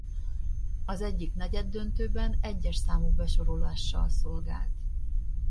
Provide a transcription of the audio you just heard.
Az egyik negyeddöntőben egyes számú besorolással szolgált.